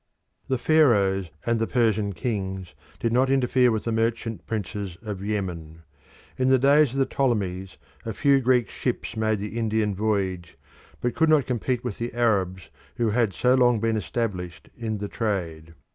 The Pharaohs and the Persian kings did not interfere with the merchant princes of Yemen. In the days of the Ptolemies a few Greek ships made the Indian voyage, but could not compete with the Arabs who had so long been established in the trade.